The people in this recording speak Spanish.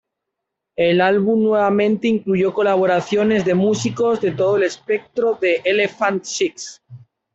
El álbum nuevamente incluyó colaboraciones de músicos de todo el espectro de Elephant Six.